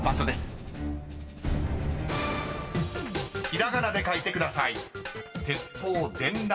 ［ひらがなで書いてください］